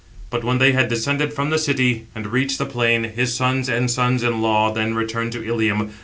But when they had descended from the city, and reached the plain, his sons and sons in law then returned to Ilium.